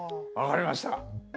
分かりました。